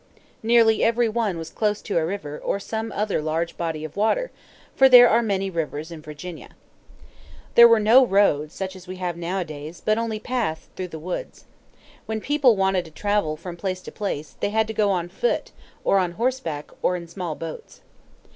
Nearly every one was close to a river, or some other large body of water; for there are many rivers in Virginia. There were no roads, such as we have nowadays, but only paths through the woods. When people wanted to travel from place to place, they had to go on foot, or on horseback, or in small boats.